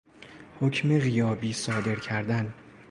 حکم غیابی صادر کردن